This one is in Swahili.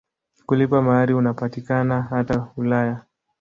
Kulipa mahari unapatikana hata Ulaya.